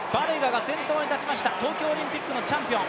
バレガが先頭に立ちました、東京オリンピックのチャンピオン。